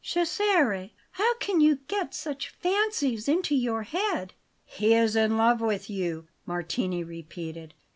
"Cesare, how can you get such fancies into your head?" "He is in love with you," Martini repeated.